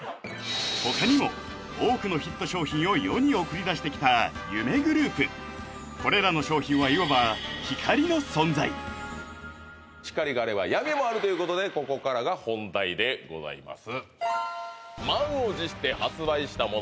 他にも多くのヒット商品を世に送り出してきた夢グループこれらの商品はいわばということでここからが本題でございます